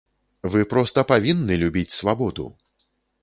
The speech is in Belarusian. Вы проста павінны любіць свабоду!